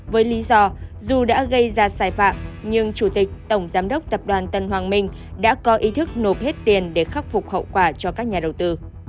với lý do dù đã gây ra sai phạm nhưng chủ tịch tổng giám đốc tập đoàn tân hoàng minh đã có ý thức nộp hết tiền để khắc phục hậu quả cho các nhà đầu tư